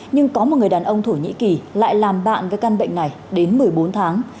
nhưng có một người đàn ông thổ nhĩ kỳ lại làm bạn với căn bệnh này đến một mươi bốn tháng